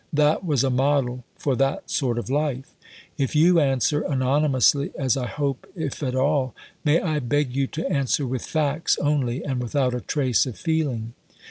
That was a model for that sort of life.) If you answer (anonymously, as I hope, if at all), may I beg you to answer with facts only and without a trace of feeling?"